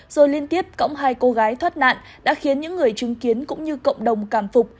rồi liên tiếp cõng hai cô gái thoát nạn đã khiến những người chứng kiến cũng như cộng đồng cảm phục